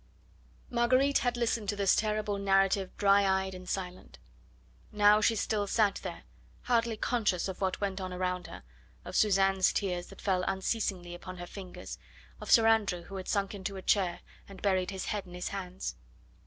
Marguerite had listened to this terrible narrative dry eyed and silent. Now she still sat there, hardly conscious of what went on around her of Suzanne's tears, that fell unceasingly upon her fingers of Sir Andrew, who had sunk into a chair, and buried his head in his hands.